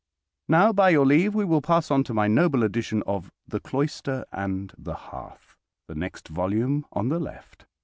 Now, by your leave, we will pass on to my noble edition of "The Cloister and the Hearth," the next volume on the left.